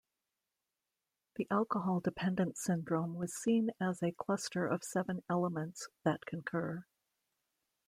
The alcohol dependence syndrome was seen as a cluster of seven elements that concur.